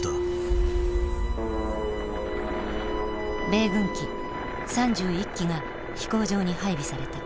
米軍機３１機が飛行場に配備された。